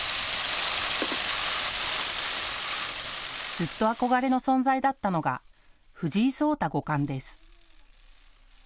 ずっと憧れの存在だったのが藤井聡太五冠です。